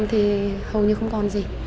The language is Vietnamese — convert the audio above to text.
thì hầu như không còn gì